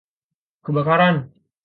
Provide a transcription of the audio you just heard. Kebakaran!